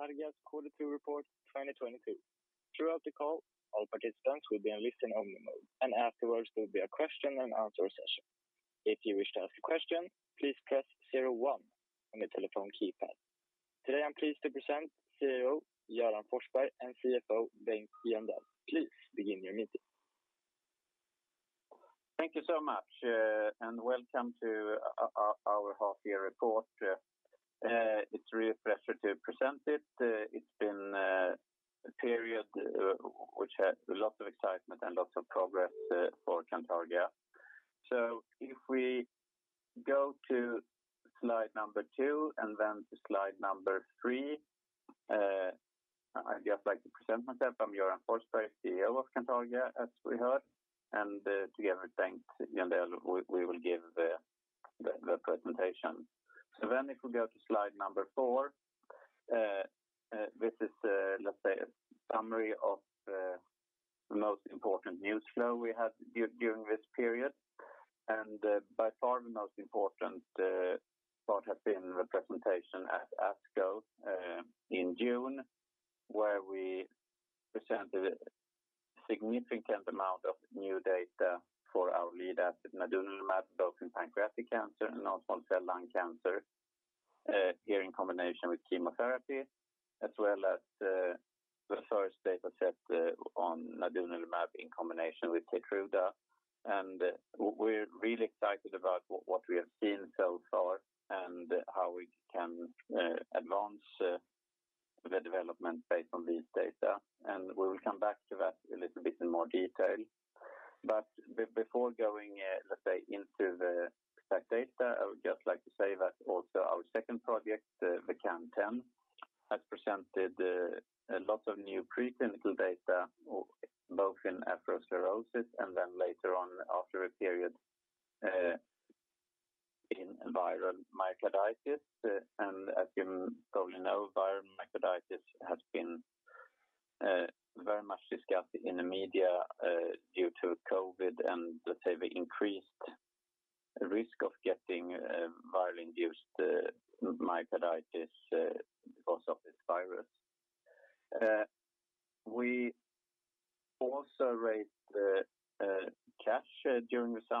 Cantargia's quarter 2 report 2022. Throughout the call, all participants will be in listen-only mode, and afterwards there will be a question and answer session. If you wish to ask a question, please press zero one on your telephone keypad. Today I'm pleased to present CEO Göran Forsberg and CFO Bengt Jöndell. Please begin your meeting. Thank you so much, and welcome to our half year report. It's a real pleasure to present it. It's been a period which had lots of excitement and lots of progress for Cantargia. If we go to slide number two and then to slide number three, I'd just like to present myself. I'm Göran Forsberg, CEO of Cantargia, as we heard, and together with Bengt Jöndell, we will give the presentation. If we go to slide number four, this is let's say a summary of the most important news flow we had during this period. By far, the most important part has been the presentation at ASCO in June, where we presented a significant amount of new data for our lead asset, nadunolimab, both in pancreatic cancer, non-small cell lung cancer, here in combination with chemotherapy, as well as the first data set on nadunolimab in combination with Keytruda. We're really excited about what we have seen so far and how we can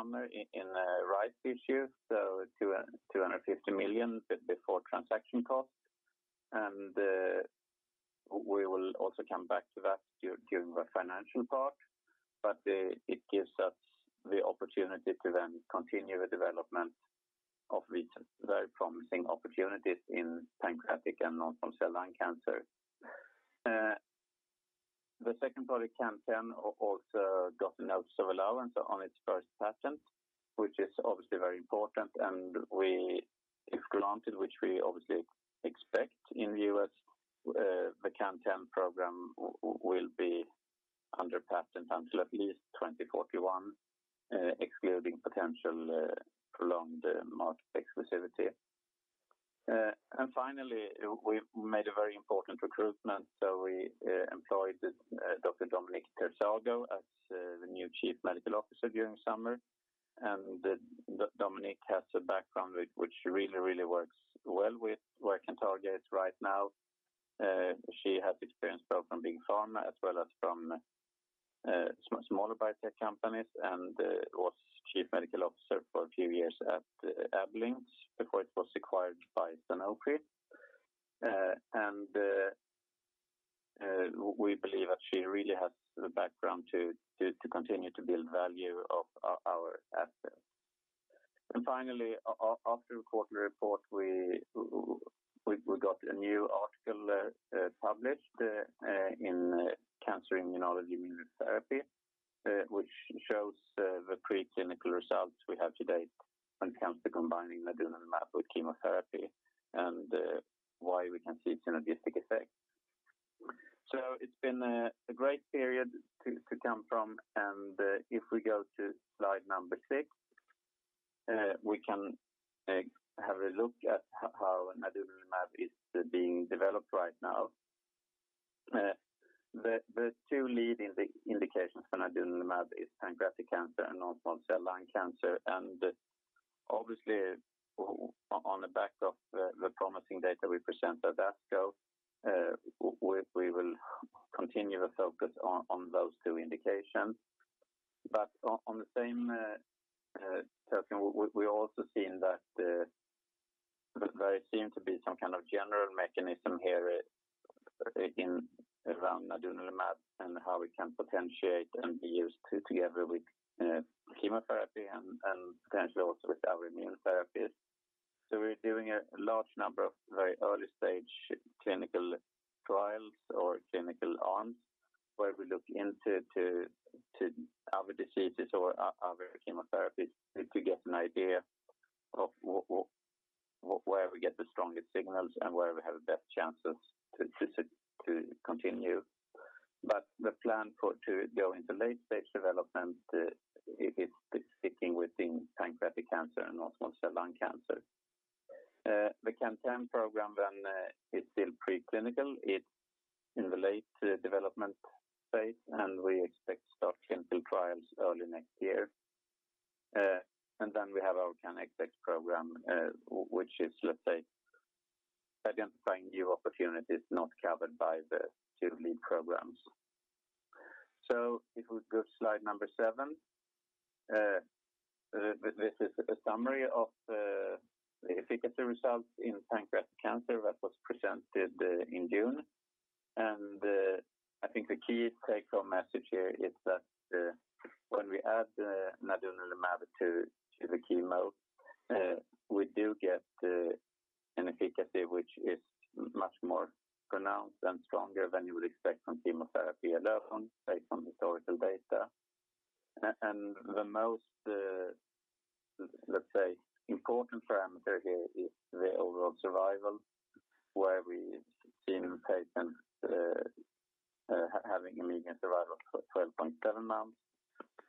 advance the development based on these data. We will come back to that a little bit in more detail. Before going, let's say into the exact data, I would just like to say that also our second project, the CAN10, has presented a lot of new preclinical data, both in atherosclerosis and then later on after a period in viral myocarditis. As you probably know, viral myocarditis has been very much discussed in the media due to COVID and let's say the increased risk of getting virally induced myocarditis because of this virus. We also raised cash during the summer in rights issues, so SEK 250 million before transaction costs. We will also come back to that during the financial part. It gives us the opportunity to then continue the development of recent very promising opportunities in pancreatic and non-small cell lung cancer. The second product CAN10 also got a notice of allowance on its first patent, which is obviously very important and we. If granted, which we obviously expect in the US, the CAN10 program will be under patent until at least 2041, excluding potential prolonged market exclusivity. Finally, we made a very important recruitment, so we employed Dr. Dominique Tersago as the new Chief Medical Officer during summer. Dominique has a background which really works well with where Cantargia is right now. She has experience both from big pharma as well as from smaller biotech companies, and was Chief Medical Officer for a few years at Ablynx before it was acquired by Sanofi. We believe that she really has the background to continue to build value of our assets. Finally, after the quarterly report, we got a new article published in Cancer Immunology, Immunotherapy, which shows the preclinical results we have to date when it comes to combining nadunolimab with chemotherapy and why we can see synergistic effect. It's been a great period to come from and if we go to slide number six, we can have a look at how nadunolimab is being developed right now. The two leading indications for nadunolimab is pancreatic cancer and non-small cell lung cancer. Obviously, on the back of the promising data we present at ASCO, we will continue the focus on those two indications. On the same token, we also seen that there seem to be some kind of general mechanism here in and around nadunolimab and how we can potentiate and be used together with chemotherapy and potentially also with our immune therapies. We're doing a large number of very early stage clinical trials or clinical arms, where we look into other diseases or other chemotherapies to get an idea of where we get the strongest signals and where we have the best chances to continue. The plan to go into late stage development is sticking within pancreatic cancer and non-small cell lung cancer. The CAN10 program then is still preclinical. It's in the late development phase, and we expect to start clinical trials early next year. We have our CANXX program, which is, let's say, identifying new opportunities not covered by the two lead programs. If we go to slide number seven, this is a summary of the efficacy results in pancreatic cancer that was presented in June. I think the key take home message here is that, when we add nadunolimab to the chemo, we do get an efficacy which is much more pronounced and stronger than you would expect from chemotherapy alone based on historical data. The most, let's say important parameter here is the overall survival, where we've seen patients having a median survival of 12.7 months,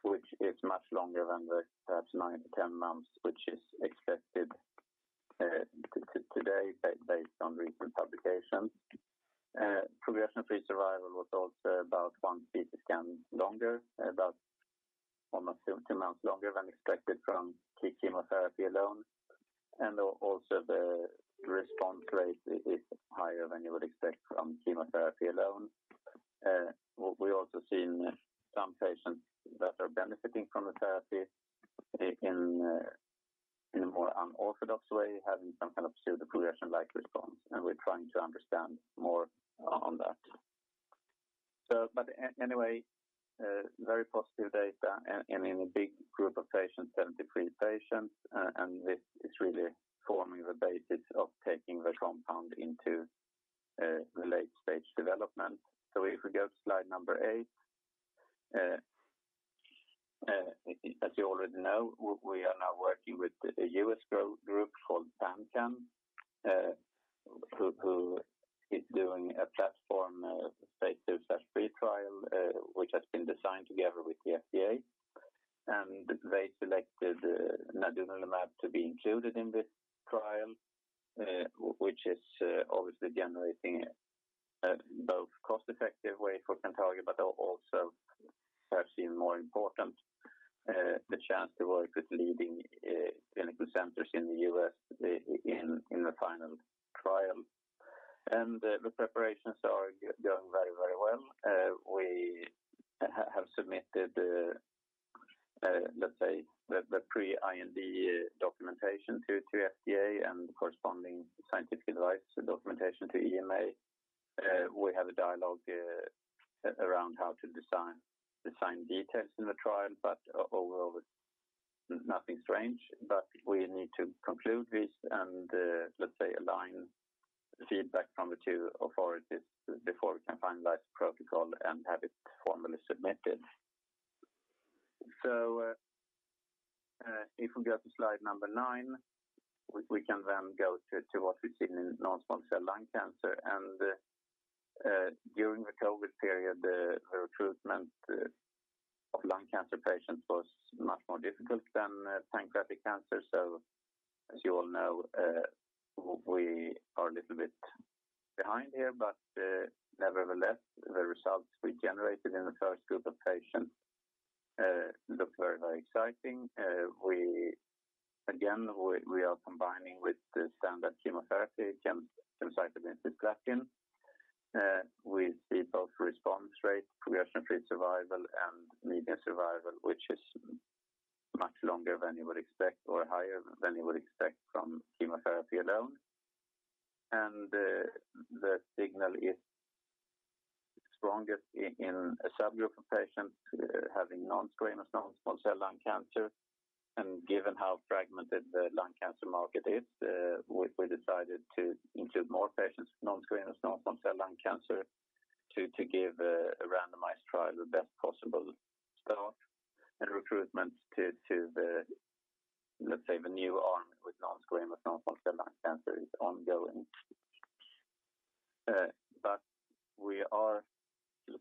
which is much longer than the perhaps 9-10 months which is expected today based on recent publications. Progression-free survival was also about one CT scan longer, about almost two months longer than expected from chemotherapy alone. The response rate is higher than you would expect from chemotherapy alone. What we also see in some patients that are benefiting from the therapy in a more unorthodox way, having some kind of pseudoprogression-like response, and we're trying to understand more on that. Anyway, very positive data and in a big group of patients, 73 patients, and this is really forming the basis of taking the compound into the late-stage development. If we go to slide number eight, as you already know, we are now working with the US group called PanCAN, who is doing a platform phase II, phase III trial, which has been designed together with the FDA. They selected nadunolimab to be included in this trial, which is obviously generating a both cost-effective way for Cantargia, but also perhaps even more important, the chance to work with leading clinical centers in the US in the final trial. The preparations are going very well. We have submitted, let's say the pre-IND documentation to FDA and corresponding scientific advice documentation to EMA. We have a dialogue around how to design details in the trial, but overall nothing strange. We need to conclude this and, let's say align feedback from the two authorities before we can finalize the protocol and have it formally submitted. If we go to slide number nine, we can then go to what we've seen in non-small cell lung cancer. During the COVID period, the recruitment of lung cancer patients was much more difficult than pancreatic cancer. As you all know, we are a little bit behind here, but nevertheless, the results we generated in the first group of patients look very exciting. We are combining with the standard chemotherapy, gemcitabine plus nab-paclitaxel. We see both response rate, progression-free survival and median survival, which is much longer than you would expect or higher than you would expect from chemotherapy alone. The signal is strongest in a subgroup of patients having non-squamous non-small cell lung cancer. Given how fragmented the lung cancer market is, we decided to include more patients with non-squamous non-small cell lung cancer to give a randomized trial the best possible start and recruitment to the, let's say the new arm with non-squamous non-small cell lung cancer is ongoing. We are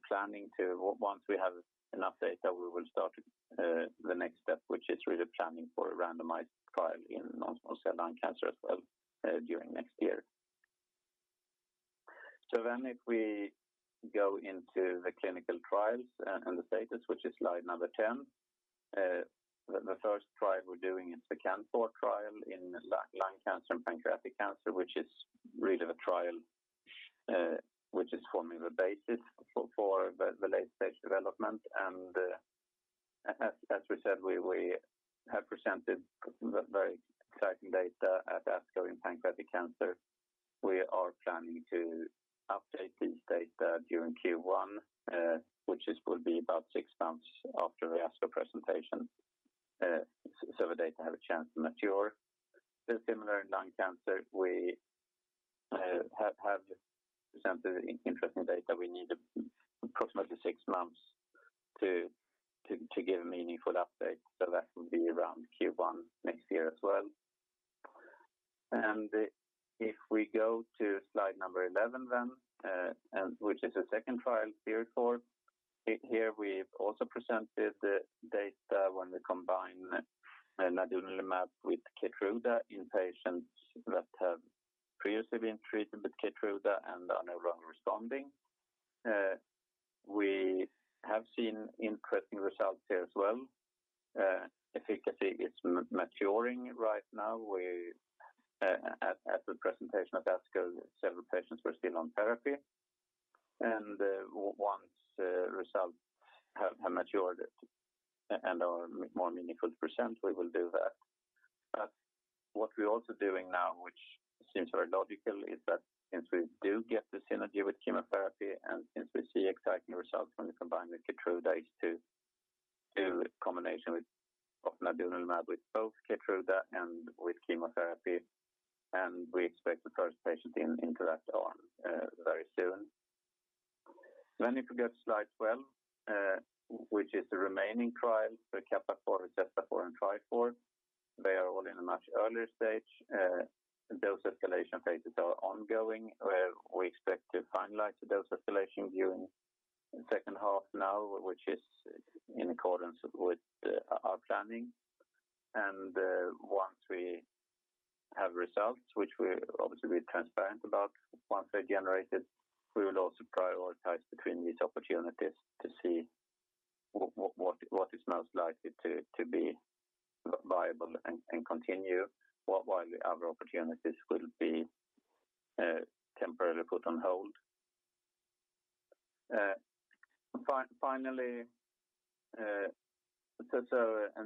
planning to once we have enough data, we will start the next step, which is really planning for a randomized trial in non-small cell lung cancer as well during next year. If we go into the clinical trials and the status, which is slide number 10, the first trial we're doing is the CANFOUR trial in lung cancer and pancreatic cancer, which is really the trial, which is forming the basis for the late-stage development. As we said, we have presented very exciting data at ASCO in pancreatic cancer. We are planning to update these data during Q1, which will be about six months after the ASCO presentation, so the data have a chance to mature. Similarly in lung cancer, we have presented interesting data. We need approximately six months to give a meaningful update. That will be around Q1 next year as well. If we go to slide number 11, then which is the second trial, CIRIFOUR, here we've also presented the data when we combine nadunolimab with Keytruda in patients that have previously been treated with Keytruda and are no longer responding. We have seen interesting results here as well. Efficacy is maturing right now. We at the presentation at ASCO, several patients were still on therapy. Once results have matured and are more meaningful to present, we will do that. What we're also doing now, which seems very logical, is that since we do get the synergy with chemotherapy and since we see exciting results when we combine with Keytruda is to do a combination of nadunolimab with both Keytruda and with chemotherapy. We expect the first patient into that arm very soon. If you go to slide 12, which is the remaining trial for CAPAFOUR, CESTAFOUR, and TRIFOUR. They are all in a much earlier stage. Dose escalation phases are ongoing, where we expect to finalize the dose escalation during second half now, which is in accordance with our planning. Once we have results, which we'll obviously be transparent about once they're generated, we will also prioritize between these opportunities to see what is most likely to be viable and continue, while the other opportunities will be temporarily put on hold. Finally,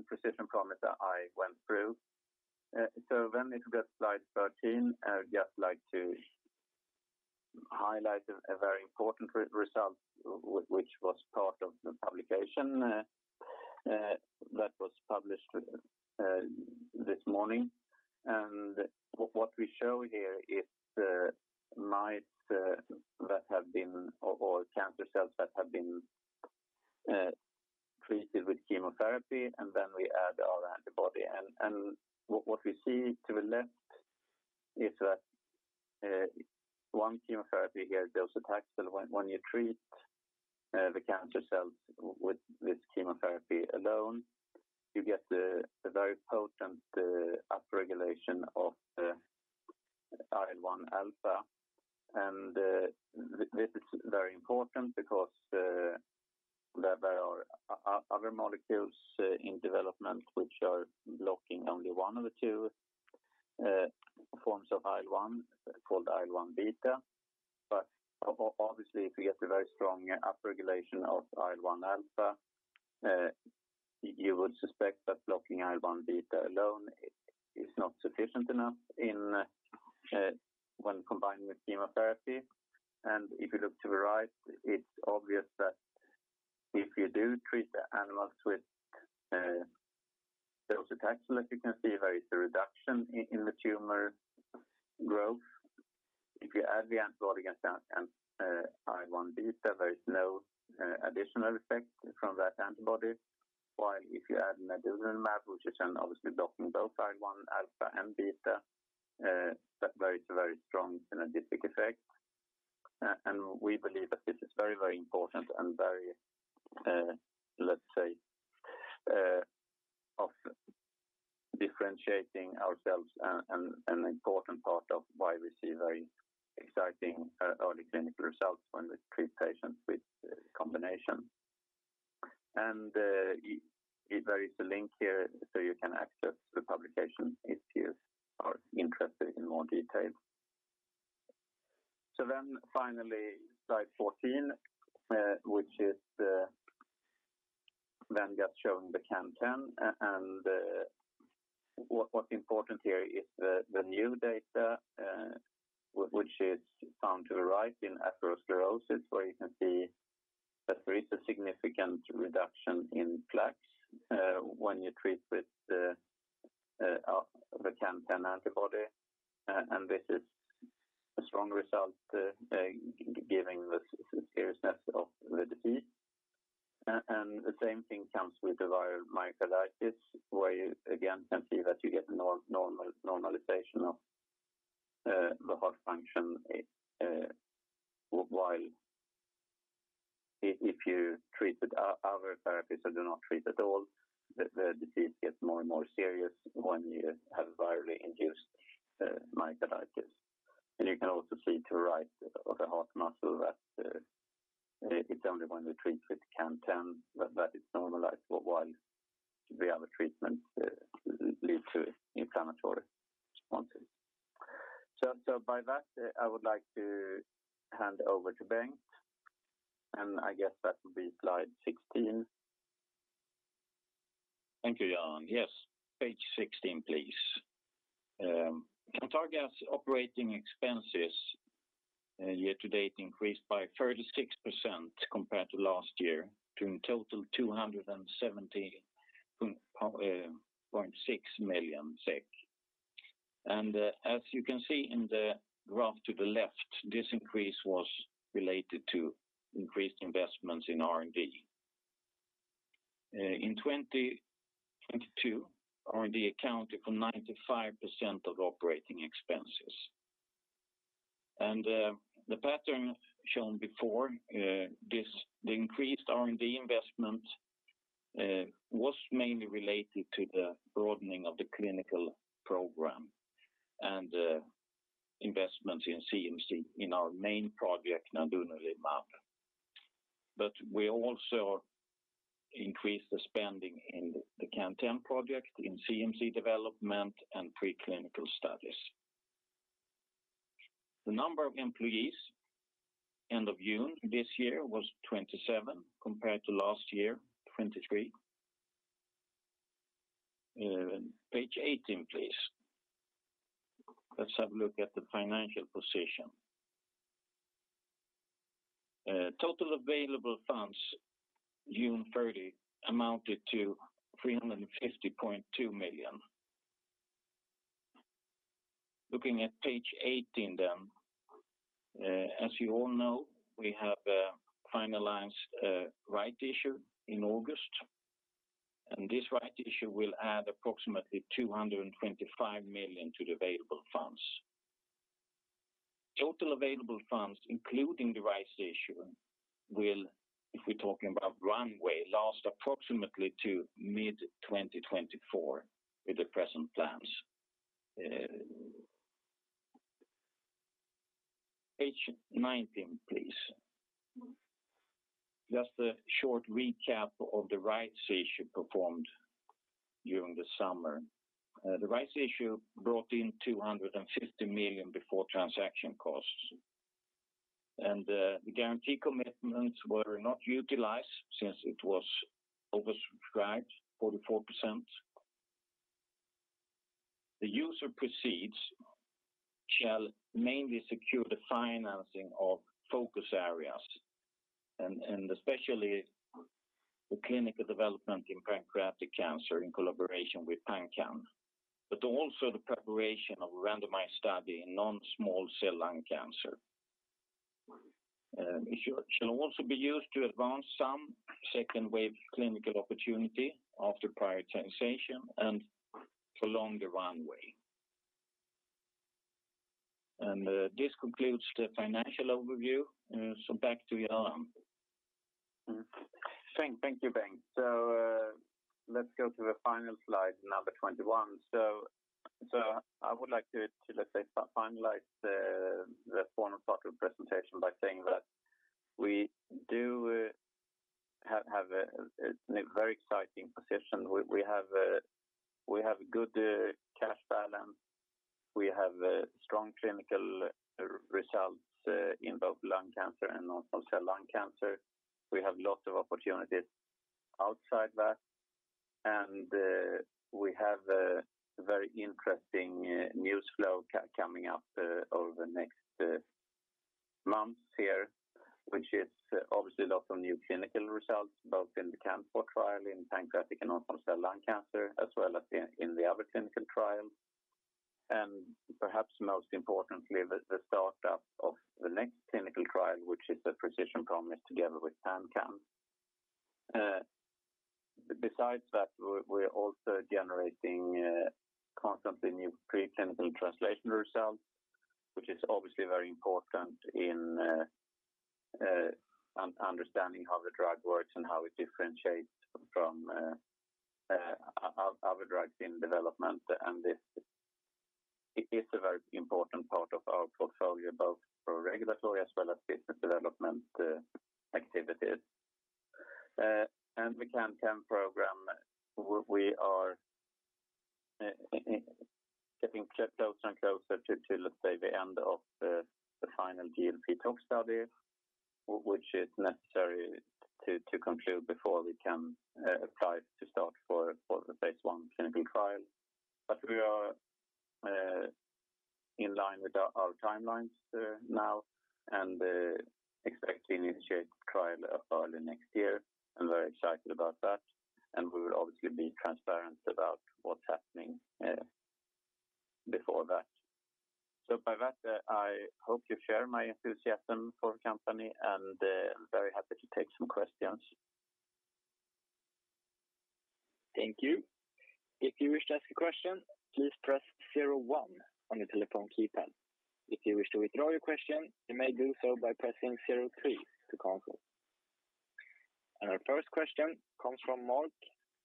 Precision Promise that I went through. If you go to slide 13, I would just like to highlight a very important result which was part of the publication that was published this morning. What we show here is the cancer cells that have been treated with chemotherapy, and then we add our antibody. What we see to the left is that one chemotherapy here, docetaxel, when you treat the cancer cells with this chemotherapy alone, you get a very potent upregulation of the IL-1 alpha. This is very important because there are other molecules in development which are blocking only one of the two forms of IL-1, called IL-1 beta. Obviously, if you get a very strong upregulation of the IL-1 alpha, you would suspect that blocking IL-1 beta alone is not sufficient enough when combined with chemotherapy. If you look to the right, it's obvious that if you do treat the animals with docetaxel, as you can see, there is a reduction in the tumor growth. If you add the antibody against IL-1 beta, there is no additional effect from that antibody. While if you add nadunolimab, which is then obviously blocking both IL-1 alpha and beta, there is a very strong synergistic effect. And we believe that this is very, very important and very, let's say, of differentiating ourselves and an important part of why we see very exciting early clinical results when we treat patients with combination. There is a link here so you can access the publication if you are interested in more detail. Finally, slide 14, which is then just showing the CAN 10 and what's important here is the new data, which is found to the right in atherosclerosis, where you can see that there is a significant reduction in plaques when you treat with the CAN 10 antibody. This is a strong result given the seriousness of the disease. The same thing comes with the viral myocarditis, where you again can see that you get normalization of the heart function while if you treat with other therapies or do not treat at all, the disease gets more and more serious when you have virally induced myocarditis. You can also see to the right of the heart muscle that it's only when we treat with CAN10 that is normalized while the other treatments lead to inflammatory responses. By that, I would like to hand over to Bengt, and I guess that will be slide 16. Thank you, Göran. Yes, page 16, please. Cantargia operating expenses, year to date increased by 36% compared to last year to a total 270.6 million SEK. As you can see in the graph to the left, this increase was related to increased investments in R&D. In 2022 R&D accounted for 95% of operating expenses. The pattern shown before this, the increased R&D investment was mainly related to the broadening of the clinical program and investments in CMC in our main project, nadunolimab. We also increased the spending in the CAN-10 project in CMC development and pre-clinical studies. The number of employees end of June this year was 27 compared to last year, 23. Page 18, please. Let's have a look at the financial position. Total available funds, June 30, amounted to SEK 350.2 million. Looking at page 18 then. As you all know, we have finalized a rights issue in August, and this rights issue will add approximately 225 million to the available funds. Total available funds, including the rights issue, will, if we're talking about runway, last approximately to mid-2024 with the present plans. Page 19, please. Just a short recap of the rights issue performed during the summer. The rights issue brought in 250 million before transaction costs. The guarantee commitments were not utilized since it was oversubscribed 44%. The net proceeds shall mainly secure the financing of focus areas and especially the clinical development in pancreatic cancer in collaboration with PanCAN. Also the preparation of randomized study in non-small cell lung cancer. It shall also be used to advance some second wave clinical opportunity after prioritization and prolong the runway. This concludes the financial overview. Back to you, Göran. Thank you, Bengt. Let's go to the final slide number 21. I would like to, let's say, finalize the formal part of presentation by saying that we do have a very exciting position. We have good cash balance. We have a strong clinical results in both lung cancer and non-small cell lung cancer. We have lots of opportunities outside that. We have a very interesting news flow coming up over the next months here, which is obviously a lot of new clinical results, both in the CAN4 trial in pancreatic and non-small cell lung cancer, as well as in the other clinical trial. Perhaps most importantly, the start of the next clinical trial, which is a Precision Promise together with PanCAN. Besides that, we're also generating constantly new pre-clinical translation results, which is obviously very important in understanding how the drug works and how it differentiates from other drugs in development. This is a very important part of our portfolio, both for regulatory as well as business development activities. The CAN-10 program, we are getting closer and closer to, let's say, the end of the final GLP-Tox study, which is necessary to conclude before we can apply to start for the phase I clinical trial. We are in line with our timelines now and expect to initiate trial early next year. I'm very excited about that. We will obviously be transparent about what's happening before that. By that, I hope you share my enthusiasm for the company, and I'm very happy to take some questions. Thank you. If you wish to ask a question, please press zero one on your telephone keypad. If you wish to withdraw your question, you may do so by pressing zero three to cancel. Our first question comes from Mark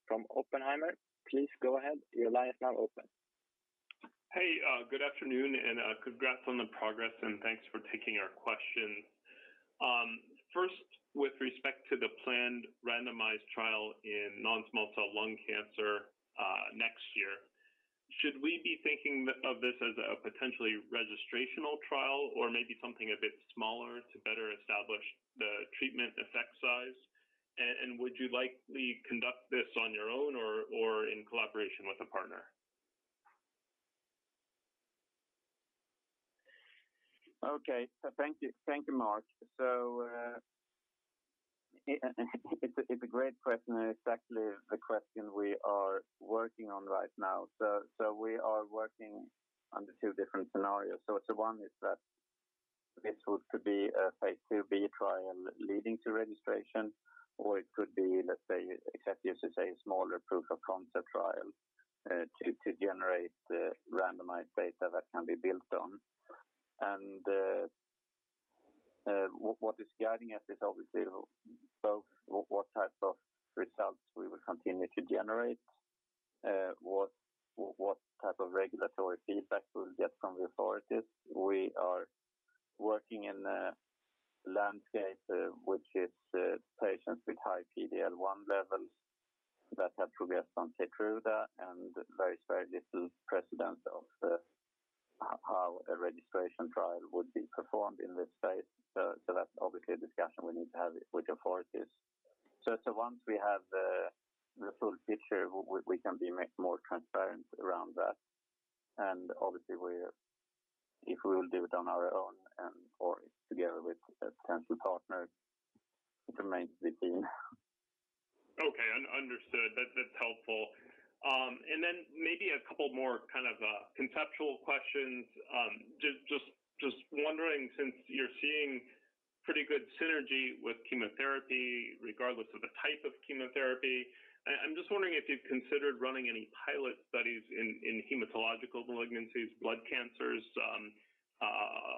from Oppenheimer. Please go ahead. Your line is now open. Hey, good afternoon, and congrats on the progress, and thanks for taking our question. First, with respect to the planned randomized trial in non-small cell lung cancer, next year, should we be thinking of this as a potentially registrational trial or maybe something a bit smaller to better establish the treatment effect size? Would you likely conduct this on your own or in collaboration with a partner? Okay. Thank you. Thank you, Mark. It's a great question and exactly the question we are working on right now. We are working under two different scenarios. One is that this could be a phase IIb trial leading to registration, or it could be, let's say, if I have to use a smaller proof of concept trial to generate the randomized data that can be built on. What is guiding us is obviously both what type of results we will continue to generate, what type of regulatory feedback we'll get from the authorities. We are working in a landscape which is patients with high PD-L1 levels that have progressed on Keytruda and very, very little precedent of how a registration trial would be performed in this space. That's obviously a discussion we need to have with authorities. Once we have the full picture, we can be more transparent around that. Obviously, if we will do it on our own and/or together with a potential partner, it remains to be seen. Okay, understood. That's helpful. Then maybe a couple more kind of conceptual questions. Just wondering, since you're seeing pretty good synergy with chemotherapy regardless of the type of chemotherapy, I'm just wondering if you've considered running any pilot studies in hematological malignancies, blood cancers,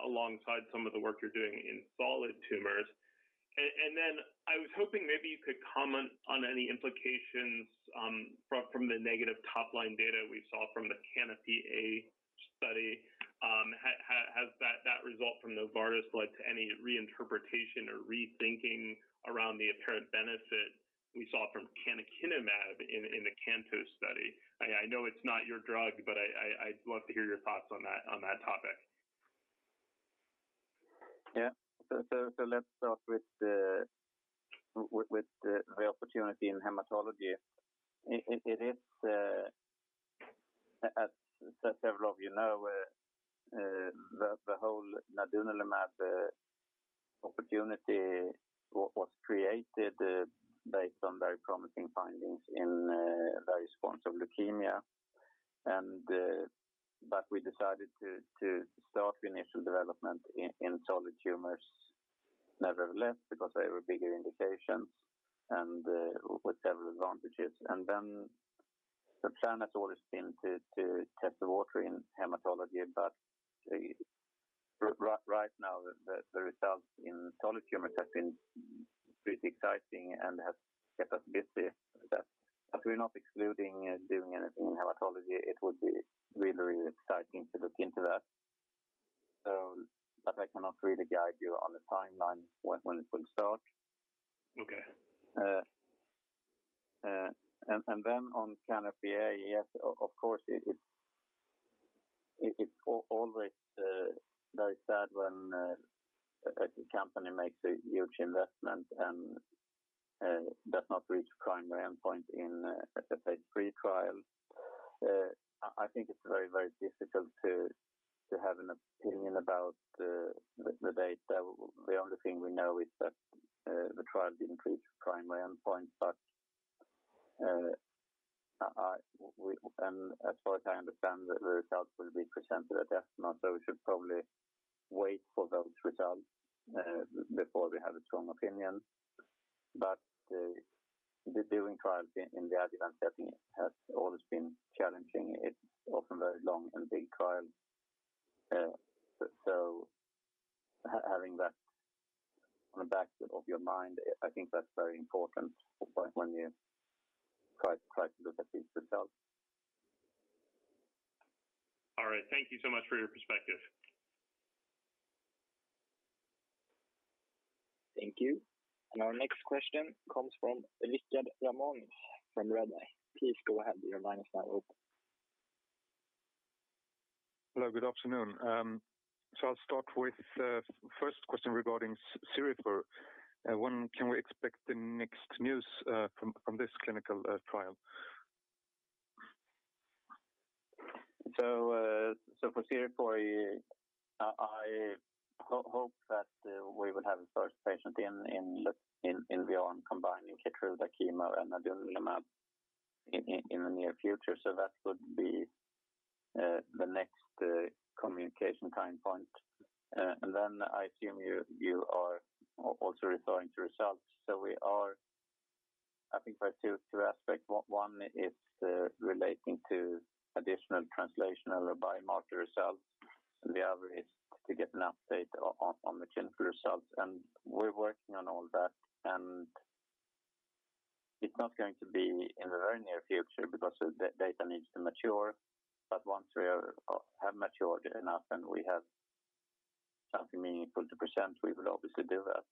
alongside some of the work you're doing in solid tumors. Then I was hoping maybe you could comment on any implications from the negative top-line data we saw from the CANOPY-A study. Has that result from Novartis led to any reinterpretation or rethinking around the apparent benefit we saw from canakinumab in the CANTOS study? I know it's not your drug, but I'd love to hear your thoughts on that topic. Yeah. Let's start with the opportunity in hematology. It is, as several of you know, the whole nadunolimab opportunity was created based on very promising findings in various forms of leukemia. We decided to start the initial development in solid tumors nevertheless because they were bigger indications and with several advantages. The plan has always been to test the water in hematology. Right now the results in solid tumors have been pretty exciting and have kept us busy with that. We're not excluding doing anything in hematology. It would be really exciting to look into that. I cannot really guide you on the timeline when it will start. Okay. Then on CANOPY-A, yes, of course, it's always very sad when a company makes a huge investment and does not reach primary endpoint in a phase III trial. I think it's very difficult to have an opinion about the data. The only thing we know is that the trial didn't reach primary endpoint. As far as I understand, the results will be presented at ESMO, so we should probably wait for those results before we have a strong opinion. Doing trials in the advanced setting has always been challenging. It's often very long and big trial. So having that on the back of your mind, I think that's very important also when you try to look at these results. All right. Thank you so much for your perspective. Thank you. Our next question comes from Richard Ramanius from Redeye. Please go ahead. Your line is now open. Hello, good afternoon. I'll start with first question regarding TRIFOUR. When can we expect the next news from this clinical trial? For TRIFOUR, I hope that we will have the first patient combining Keytruda, chemo, and nadunolimab in the near future. That would be the next communication time point. I assume you are also referring to results. I think there are two aspects. One is relating to additional translational or biomarker results, and the other is to get an update on the clinical results. We're working on all that, and it's not going to be in the very near future because the data needs to mature. Once we have matured enough and we have something meaningful to present, we will obviously do that.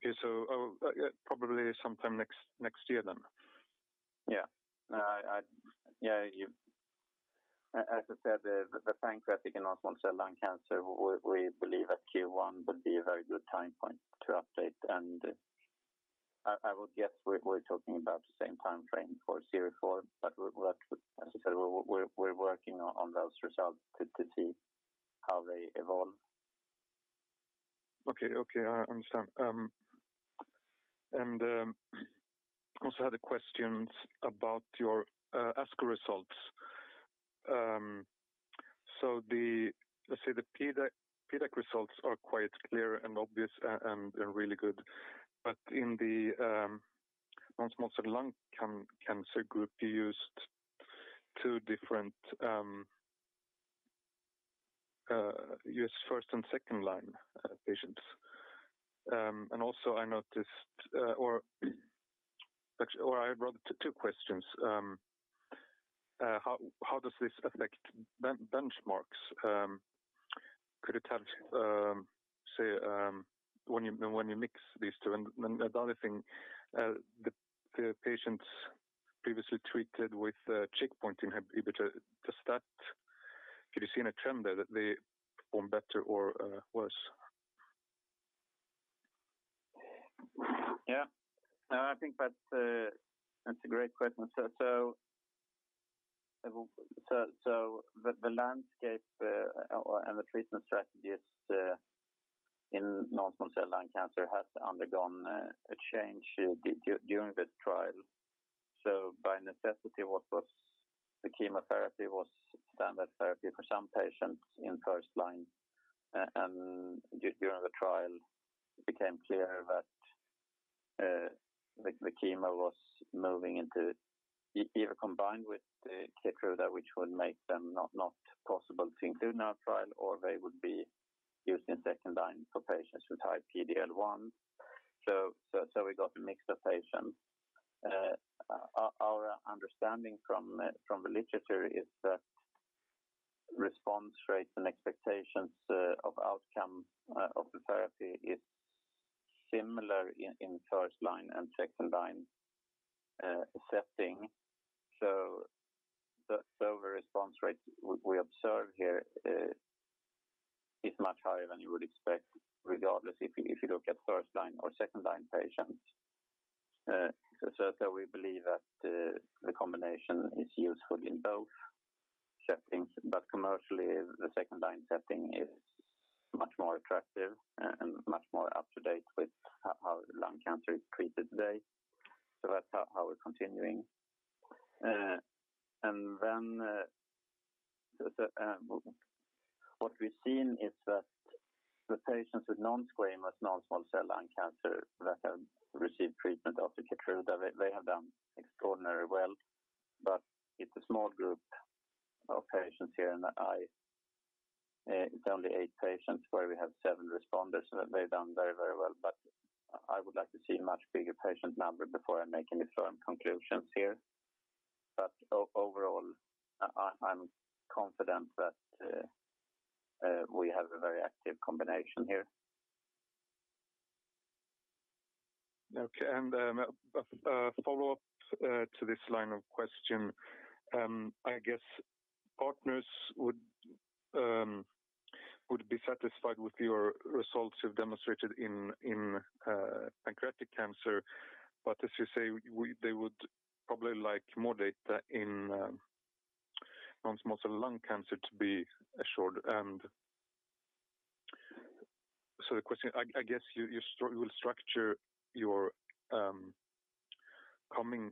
Okay. Probably sometime next year then? As I said, the pancreatic and also non-small cell lung cancer, we believe that Q1 would be a very good time point to update. I would guess we're talking about the same time frame for CIRIFOUR. We'll have to. As I said, we're working on those results to see how they evolve. Okay. Okay. I understand. Also had a question about your ASCO results. Let's say the PDAC results are quite clear and obvious and really good. In the non-small cell lung cancer group, you used two different U.S. first- and second-line patients. Also I noticed, or actually, or I wrote two questions. How does this affect benchmarks? Could it have, say, when you mix these two? The other thing, the patients previously treated with checkpoint inhibitor, does that, could you see any trend there that they perform better or worse? Yeah. No, I think that's a great question. The landscape and the treatment strategies in non-small cell lung cancer has undergone a change during the trial. By necessity, what was the chemotherapy was standard therapy for some patients in first line. During the trial it became clear that the chemo was moving into either combined with Keytruda, which would make them not possible to include in our trial, or they would be used in second line for patients with high PD-L1. We got a mix of patients. Our understanding from the literature is that response rates and expectations of outcome of the therapy is similar in first line and second line setting. The response rates we observe here is much higher than you would expect, regardless if you look at first line or second line patients. We believe that the combination is useful in both settings, but commercially, the second line setting is much more attractive and much more up-to-date with how lung cancer is treated today. That's how we're continuing. What we've seen is that the patients with non-squamous non-small cell lung cancer that have received treatment of the Keytruda, they have done extraordinarily well. It's a small group of patients here, and it's only eight patients where we have seven responders, and they've done very well. I would like to see a much bigger patient number before I make any firm conclusions here. Overall, I'm confident that we have a very active combination here. Okay. A follow-up to this line of question. I guess partners would be satisfied with your results you've demonstrated in pancreatic cancer. But as you say, they would probably like more data in non-small cell lung cancer to be assured. The question, I guess you will structure your coming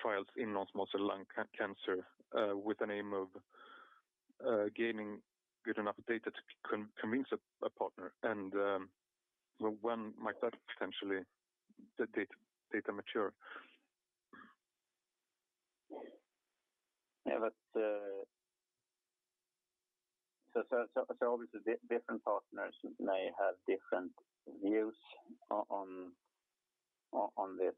trials in non-small cell lung cancer with an aim of gaining good enough data to convince a partner and when might that potentially, the data mature? Yeah, but so obviously different partners may have different views on this.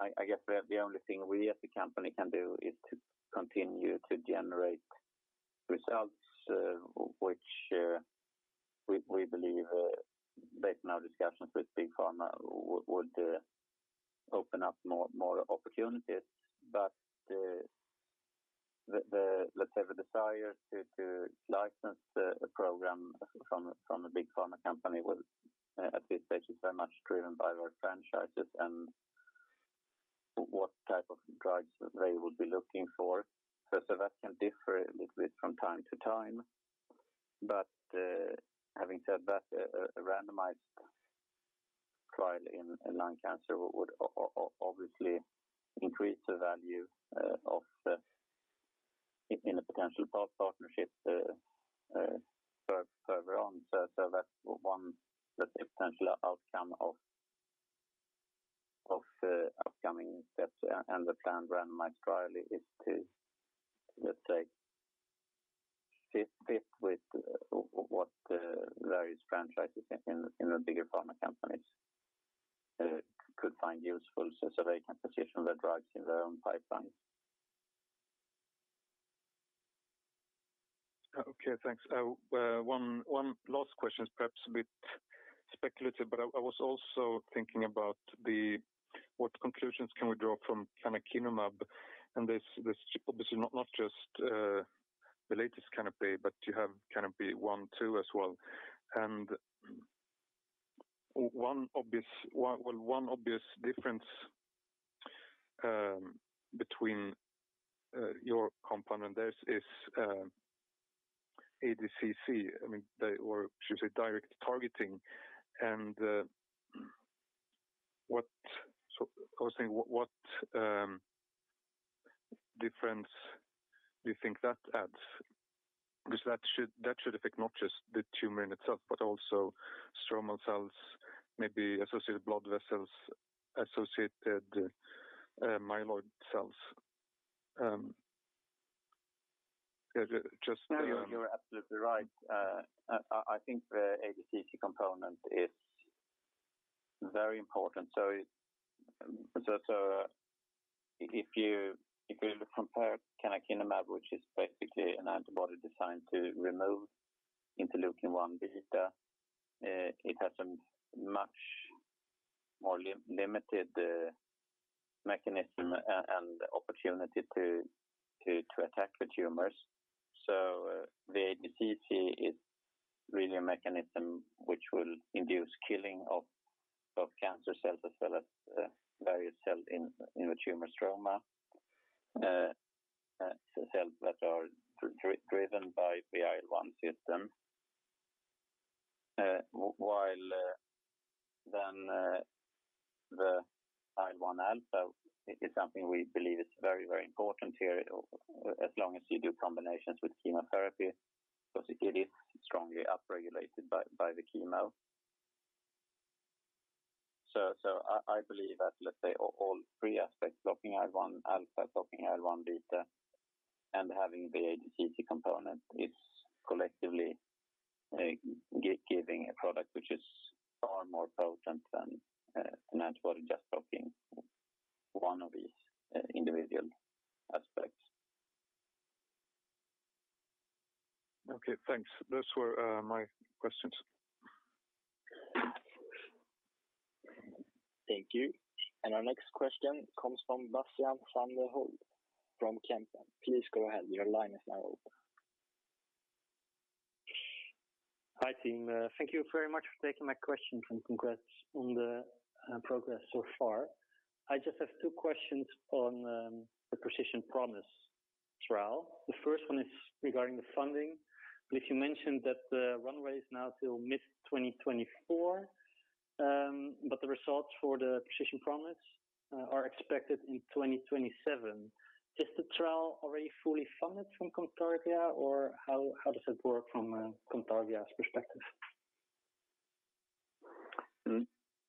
I guess the only thing we as a company can do is to continue to generate results which we believe based on our discussions with big pharma would open up more opportunities. Let's say the desire to license a program from a big pharma company would at this stage is very much driven by their franchises and what type of drugs they would be looking for. That can differ a little bit from time to time. Having said that, a randomized trial in lung cancer would obviously increase the value of a potential partnership further on. That's one, let's say potential outcome of upcoming steps. The planned randomized trial is to, let's say, fit with what various franchises in the bigger pharma companies could find useful so they can position their drugs in their own pipeline. Okay, thanks. One last question is perhaps a bit speculative, but I was also thinking about what conclusions can we draw from canakinumab and this, obviously not just the latest Canopy, but you have Canopy-1, 2 as well. One obvious difference between your compound and theirs is ADCC. I mean, they or should I say direct targeting and what. I was saying, what difference do you think that adds? Because that should affect not just the tumor in itself, but also stromal cells, maybe associated blood vessels, associated myeloid cells. Yeah, just. No, you're absolutely right. I think the ADCC component is very important. If you compare canakinumab, which is basically an antibody designed to remove interleukin-1 beta, it has a much more limited mechanism and opportunity to attack the tumors. The ADCC is really a mechanism which will induce killing of cancer cells as well as various cells in the tumor stroma, cells that are driven by the IL-1 system. While the IL-1 alpha is something we believe is very, very important here, as long as you do combinations with chemotherapy 'cause it is strongly upregulated by the chemo. I believe that, let's say, all three aspects, blocking IL-1 alpha, blocking IL-1 beta, and having the ADCC component is collectively giving a product which is far more potent than an antibody just blocking one of these individual aspects. Okay, thanks. Those were my questions. Thank you. Our next question comes from Sebastiaan van der Schoot from Kempen. Please go ahead. Your line is now open. Hi, team. Thank you very much for taking my question, and congrats on the progress so far. I just have two questions on the Precision Promise trial. The first one is regarding the funding. You mentioned that the runway is now till mid-2024, but the results for the Precision Promise are expected in 2027. Is the trial already fully funded from Cantargia, or how does it work from Cantargia's perspective?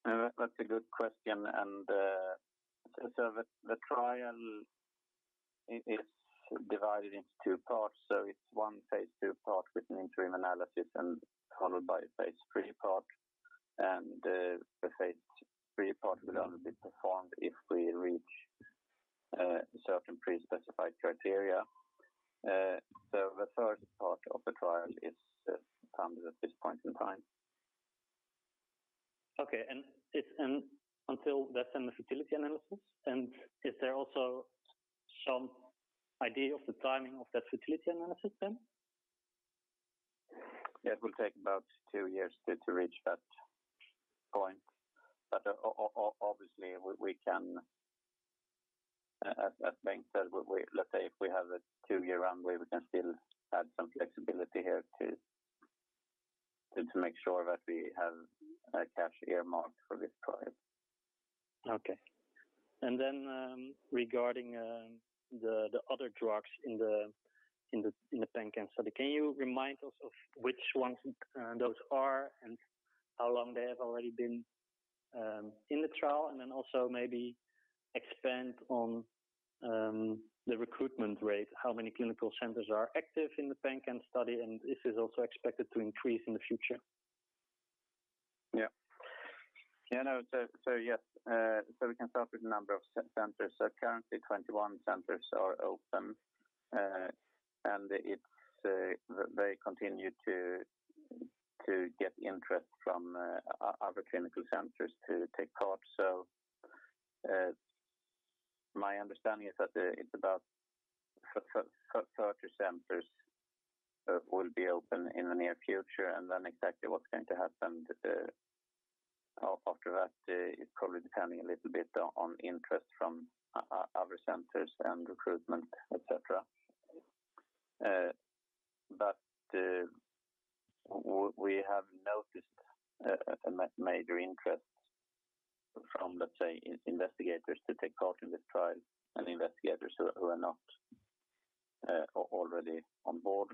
No, that's a good question. The trial is divided into two parts. It's one phase II part with an interim analysis and followed by a phase III part. The phase III part will only be performed if we reach certain pre-specified criteria. The first part of the trial is funded at this point in time. Until that's in the futility analysis, and is there also some idea of the timing of that futility analysis then? It will take about two years to reach that point. Obviously, we can, as Bengt said, let's say if we have a two-year runway, we can still add some flexibility here to make sure that we have cash earmarked for this trial. Okay. Regarding the other drugs in the PanCAN study, can you remind us of which ones those are and how long they have already been in the trial? Also maybe expand on the recruitment rate, how many clinical centers are active in the PanCAN study, and if it's also expected to increase in the future? Yeah. Yeah, no, yes, we can start with the number of centers. Currently 21 centers are open, and they continue to get interest from other clinical centers to take part. My understanding is that it's about 30 centers will be open in the near future. Exactly what's going to happen after that is probably depending a little bit on interest from other centers and recruitment, et cetera. We have noticed a major interest from, let's say, investigators to take part in this trial and investigators who are not already on board.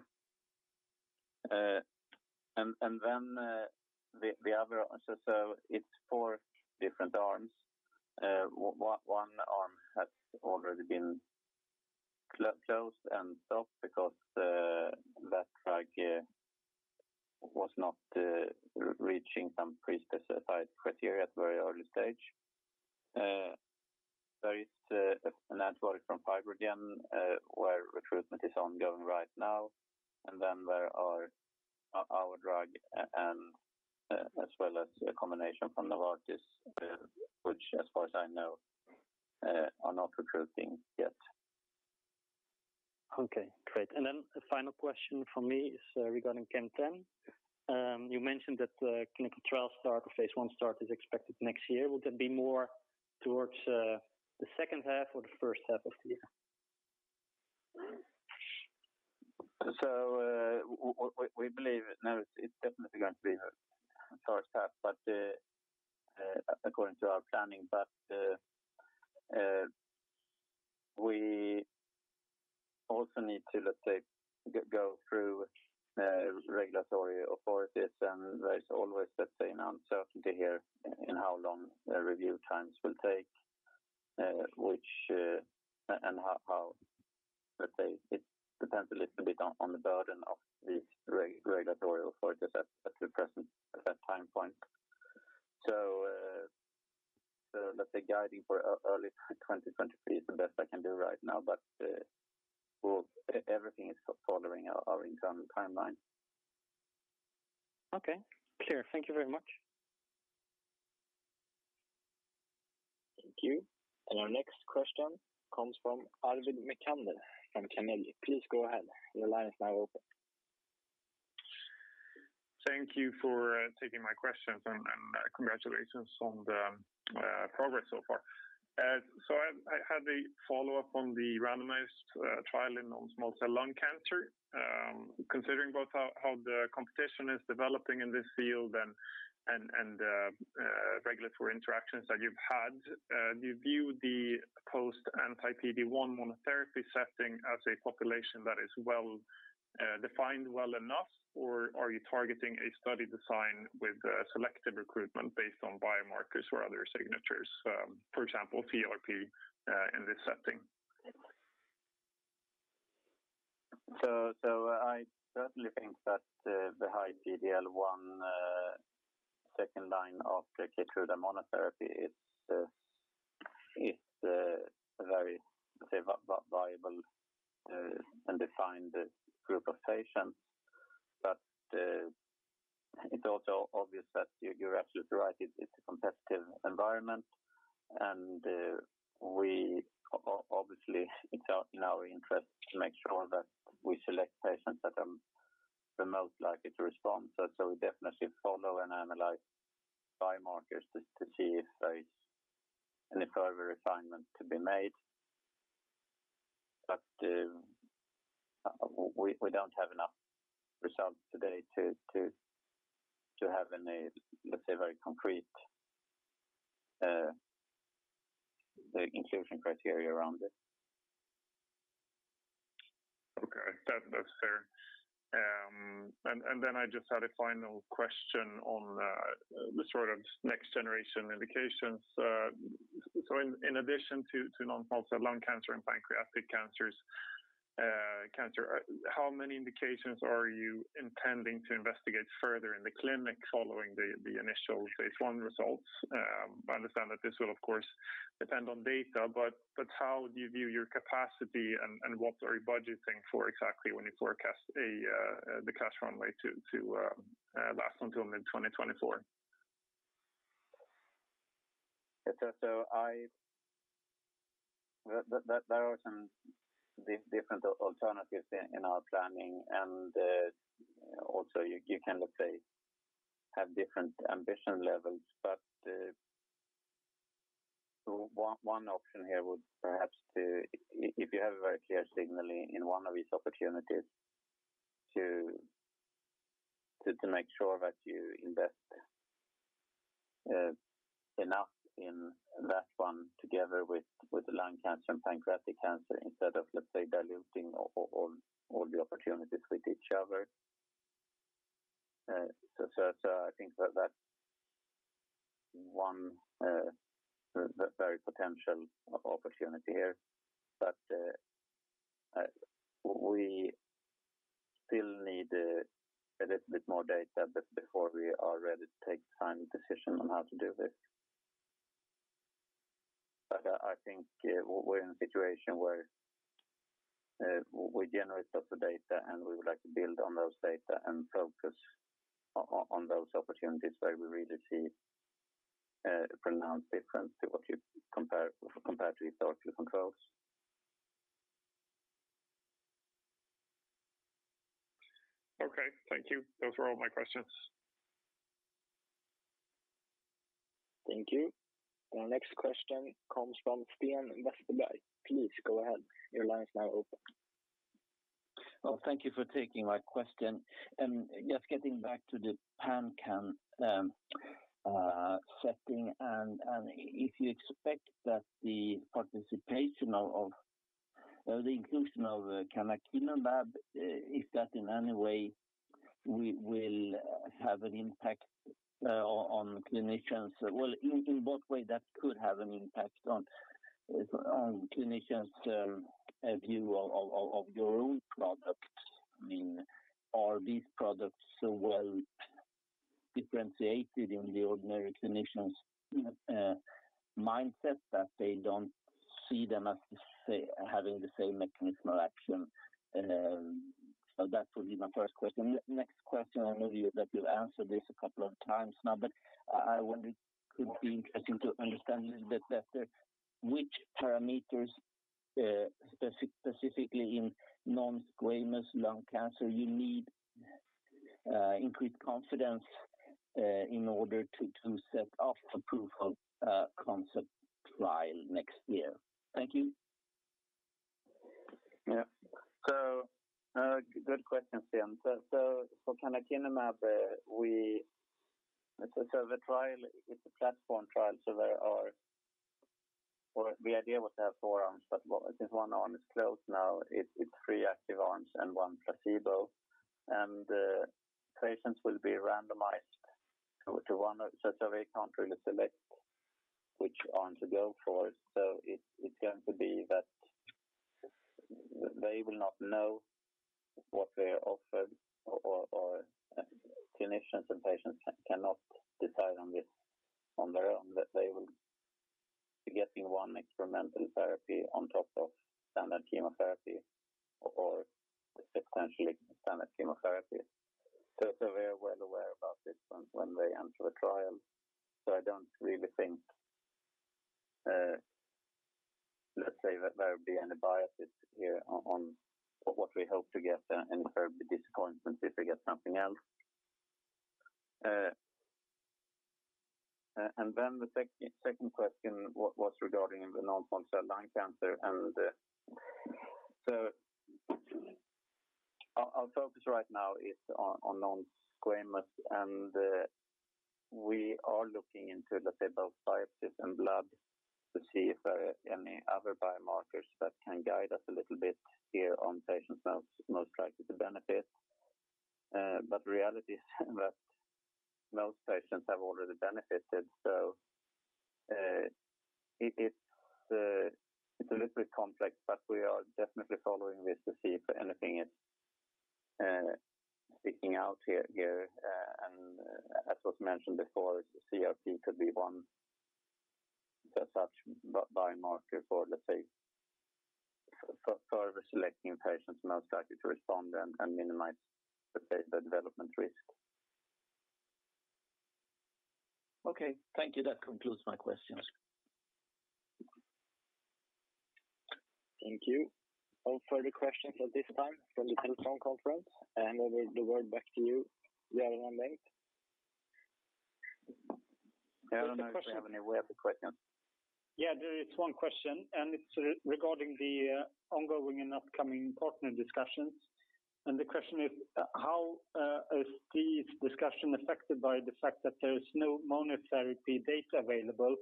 The other. It's four different arms. One arm has already been closed and stopped because that drug was not reaching some pre-specified criteria at very early stage. There is an antibody from FibroGen where recruitment is ongoing right now. Then there are our drug and as well as a combination from Novartis which as far as I know are not recruiting yet. Okay, great. A final question from me is, regarding CAN10. You mentioned that the clinical trial start or phase I start is expected next year. Will that be more towards the second half or the first half of the year? No, it's definitely going to be the first half, but according to our planning. We also need to, let's say, go through regulatory authorities, and there's always, let's say, an uncertainty here in how long the review times will take. Let's say it depends a little bit on the burden of the regulatory authorities at the present, at that time point. Let's say guiding for early 2023 is the best I can do right now. Well, everything is following our expected timeline. Okay, clear. Thank you very much. Thank you. Our next question comes from Arvid Necander from DNB Carnegie. Please go ahead. Your line is now open. Thank you for taking my questions and congratulations on the progress so far. I had a follow-up on the randomized trial in non-small cell lung cancer. Considering both how the competition is developing in this field and regulatory interactions that you've had, do you view the post anti-PD-1 monotherapy setting as a population that is well defined well enough? Are you targeting a study design with selective recruitment based on biomarkers or other signatures, for example, TRP, in this setting? I certainly think that the high PD-L1 second line of the Keytruda monotherapy is a very, let's say, viable and defined group of patients. It's also obvious that you're absolutely right. It's a competitive environment. We obviously, it's in our interest to make sure that we select patients that are the most likely to respond. We definitely follow and analyze biomarkers to see if there is any further refinement to be made. We don't have enough results today to have any, let's say, very concrete the inclusion criteria around it. Okay. That's fair. I just had a final question on the sort of next generation indications. In addition to non-small cell lung cancer and pancreatic cancer, how many indications are you intending to investigate further in the clinic following the initial phase I results? I understand that this will of course depend on data, but how do you view your capacity and what are you budgeting for exactly when you forecast the cash runway to last until mid-2024? There are some different alternatives in our planning. Also you can, let's say, have different ambition levels. One option here would perhaps to if you have a very clear signaling in one of these opportunities to make sure that you invest enough in that one together with the lung cancer and pancreatic cancer instead of, let's say, diluting all the opportunities with each other. I think that one very potential opportunity here. We still need a little bit more data before we are ready to take final decision on how to do this. I think we're in a situation where we generate lots of data, and we would like to build on those data and focus on those opportunities where we really see a pronounced difference compared to historical controls. Okay. Thank you. Those were all my questions. Thank you. Our next question comes from Sten Westerberg. Please go ahead. Your line is now open. Well, thank you for taking my question. Just getting back to the PanCAN setting and if you expect that the participation of the inclusion of canakinumab is that in any way it will have an impact on clinicians? Well, in both ways, that could have an impact on clinicians' view of your own products. I mean, are these products so well differentiated in the ordinary clinician's mindset that they don't see them as having the same mechanism of action? So that would be my first question. Next question, I know that you've answered this a couple of times now, but I wonder, it could be interesting to understand a little bit better which parameters, specifically in non-squamous lung cancer you need increased confidence in order to set off the proof of concept trial next year. Thank you. Yeah. No, good question, Sten. For canakinumab, the trial is a platform trial. The idea was to have 4 arms, but this 1 arm is closed now. It's three active arms and one placebo. Patients will be randomized to 1. We can't really select which arm to go for. It's going to be that they will not know what they're offered or clinicians and patients cannot decide on this on their own, that they will be getting 1 experimental therapy on top of standard chemotherapy or essentially standard chemotherapy. They are well aware about this when they enter the trial. I don't really think, let's say that there'll be any biases here on what we hope to get and there will be disappointment if we get something else. And then the second question was regarding the non-small cell lung cancer. Our focus right now is on non-squamous. We are looking into, let's say, both biopsies and blood to see if there are any other biomarkers that can guide us a little bit here on patients most likely to benefit. But reality is that most patients have already benefited. It's a little bit complex, but we are definitely following this to see if anything is sticking out here. As was mentioned before, CRP could be one such biomarker for, let's say, further selecting patients most likely to respond and minimize the development risk. Okay. Thank you. That concludes my questions. Thank you. No further questions at this time from the telephone conference. I hand over the word back to you, Göran Forsberg. I don't know if we have any web questions. Yeah, there is one question, and it's regarding the ongoing and upcoming partner discussions. The question is, how is this discussion affected by the fact that there is no monotherapy data available,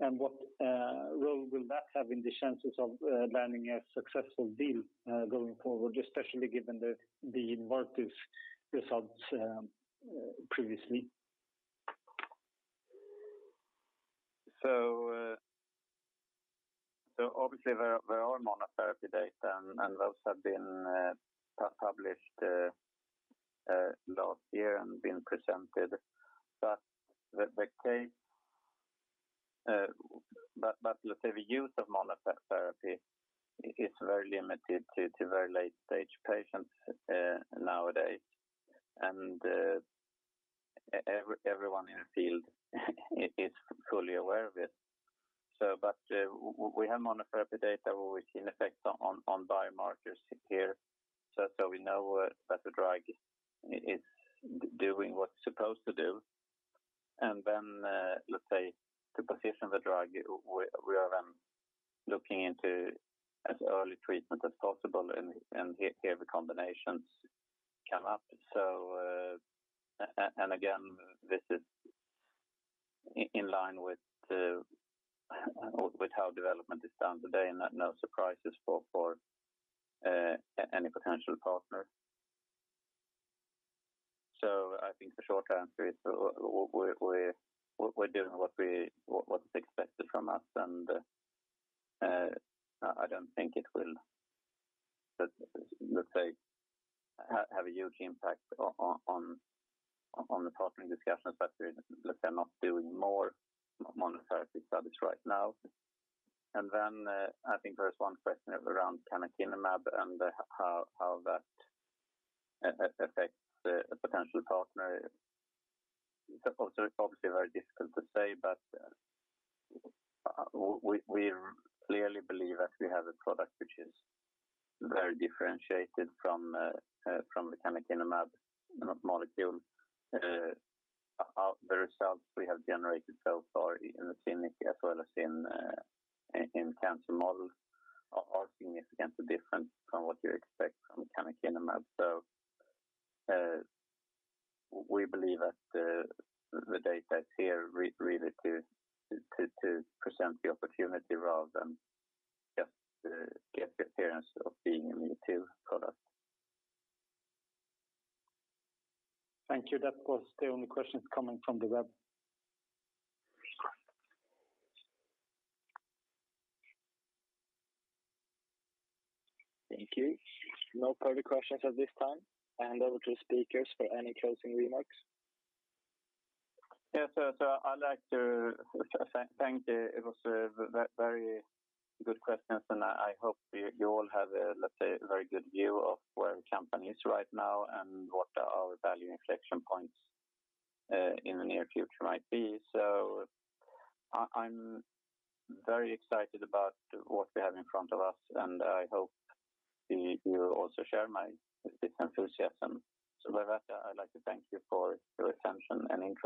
and what role will that have in the chances of landing a successful deal going forward, especially given the INVICTUS results previously? Obviously there are monotherapy data and those have been published last year and been presented. Let's say the use of monotherapy is very limited to very late-stage patients nowadays. Everyone in the field is fully aware of it. We have monotherapy data where we've seen effects on biomarkers here. We know that the drug is doing what it's supposed to do. Let's say to position the drug, we are then looking into as early treatment as possible and here the combinations come up. And again, this is in line with how development is done today and that no surprises for any potential partner. I think the short answer is we're doing what's expected from us. I don't think it will, let's say, have a huge impact on the partnering discussions that we're, let's say, not doing more monotherapy studies right now. I think there is one question around canakinumab and how that affects a potential partner. Also, it's obviously very difficult to say, but we clearly believe that we have a product which is very differentiated from the canakinumab, you know, molecule. The results we have generated so far in the clinic as well as in cancer models are significantly different from what you expect from canakinumab. We believe that the data is here really to present the opportunity rather than just get the appearance of being a me-too product. Thank you. That was the only questions coming from the web. Thank you. No further questions at this time. I hand over to speakers for any closing remarks. I'd like to thank them. It was very good questions and I hope you all have, let's say, a very good view of where the company is right now and what our value inflection points in the near future might be. I'm very excited about what we have in front of us, and I hope you also share this enthusiasm. With that, I'd like to thank you for your attention and interest.